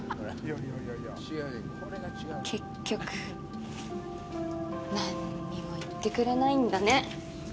結局何にも言ってくれないんだね！